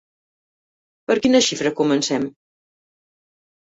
Per quina xifra comencem?